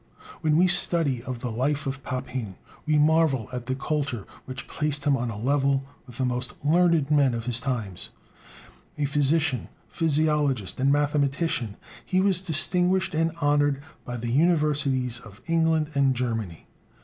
When we study of the life of Papin, we marvel at the culture which placed him on a level with the most learned men of his times: as physician, physiologist, and mathematician, he was distinguished and honored by the universities of England and Germany.